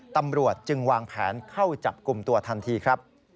ตำรวจจึงวางแผนเข้าจับกลุ่มตัวทันทีครับ